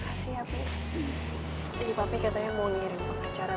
jadi papi katanya mau ngirim pengacara